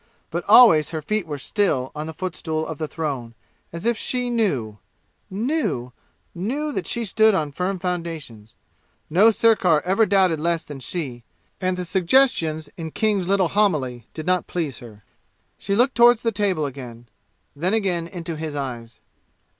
But always her feet were still on the footstool of the throne, as if she knew knew knew that she stood on firm foundations. No sirkar ever doubted less than she, and the suggestions in King's little homily did not please her. She looked toward the table again then again into his eyes.